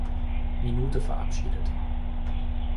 Minute verabschiedet.